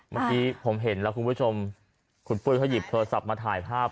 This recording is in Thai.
เมื่อกี้ผมเห็นแล้วคุณผู้ชมคุณปุ้ยเขาหยิบโทรศัพท์มาถ่ายภาพ